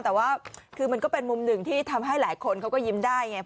แต่ว่าคือมันก็เป็นมุมหนึ่งที่ทำให้หลายคนเขาก็ยิ้มได้ไง